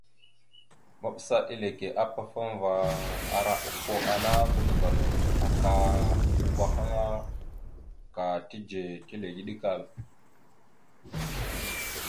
Maɓəsa eleke apafaŋva ara okko ana tadəval aka uvah aŋa ka tidze, tilegeɗəkal.